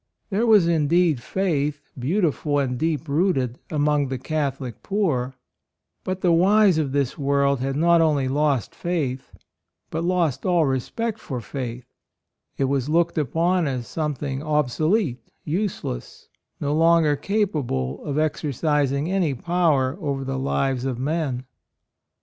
There was indeed faith, beautiful and deep rooted, among the Catholic poor; but the wise of this world had not only lost faith, but lost all respect for faith; it was looked upon as something obselete, use less, no longer capable of exer cising any power over the lives of men.